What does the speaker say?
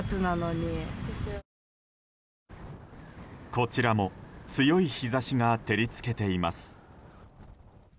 こちらも強い日差しが照り付けています。